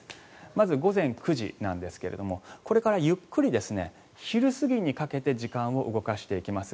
まず午前９時なんですがこれからゆっくり昼過ぎにかけて時間を動かしていきます。